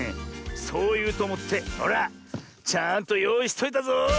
そういうとおもってほらちゃんとよういしといたぞ！